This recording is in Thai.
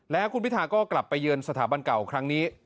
แล้วคุณพิธาก็กลับไปเยือนสถาบันเก่าครั้งนี้